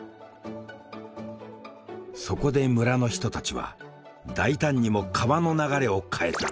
そこで村の人たちは大胆にも川の流れを変えた。